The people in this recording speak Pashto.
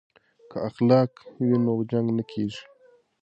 که اخلاق وي نو جنګ نه کیږي.